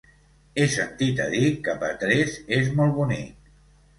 He sentit a dir que Petrés és molt bonic.